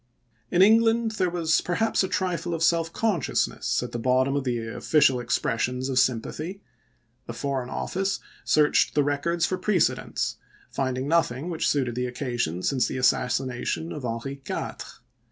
In England there was perhaps a trifle of self consciousness at the bottom of the official expres sions of sympathy. The Foreign Office searched the records for precedents, finding nothing which suited the occasion since the assassination of Henry IV.